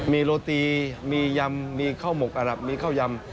มีโรตีมียำมีข้าวหมกอหลับมีข้าวยำ